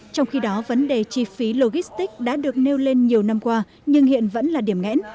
trong khi đó vấn đề chi phí logistics đã được nêu lên nhiều năm qua nhưng hiện vẫn là điểm nghẽn